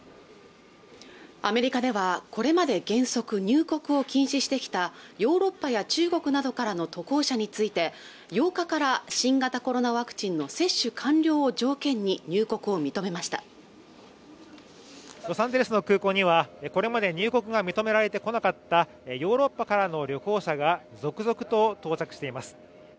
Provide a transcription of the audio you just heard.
アメリカではこれまで原則入国を禁止してきたヨーロッパや中国などからの渡航者について８日から新型コロナワクチンの接種完了を条件に入国を認めましたロサンゼルスの空港にはこれまで入国が認められてこなかったへヨーロッパからの旅行者が続々と到着しています